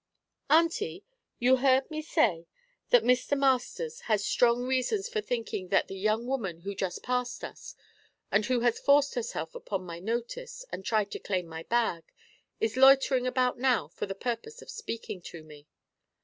'Auntie, you heard me say that Mr. Masters has strong reasons for thinking that the young woman who just passed us, and who has forced herself upon my notice, and tried to claim my bag, is loitering about now for the purpose of speaking to me?'